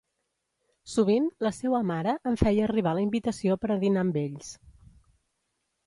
Sovint la seua mare em feia arribar la invitació per a dinar amb ells.